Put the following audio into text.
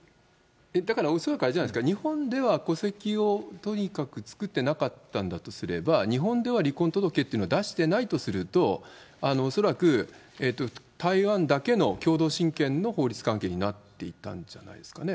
だから、恐らくあれじゃないですか、日本では戸籍をとにかく作ってなかったんだとすれば、日本では離婚届というのは出してないとすると、恐らく、台湾だけの共同親権の法律関係になっていたんじゃないですかね。